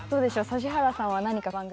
指原さんは何か番組。